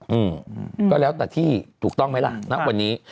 อืมก็แล้วแต่ที่ถูกต้องไหมล่ะณวันนี้